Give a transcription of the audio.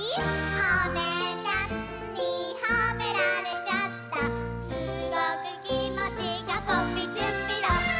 「おねえちゃんにほめられちゃった」「すごくきもちがポッピチュッピロー」